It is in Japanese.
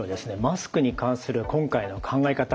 マスクに関する今回の考え方